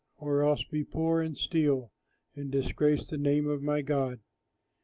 Or else be poor and steal, And disgrace the name of my God.